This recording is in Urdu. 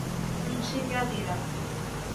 ان سے کیا گلہ۔